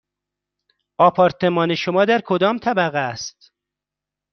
آپارتمان شما در کدام طبقه است؟